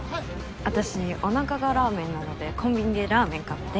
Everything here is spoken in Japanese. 私おなかがラーメンなのでコンビニでラーメン買って。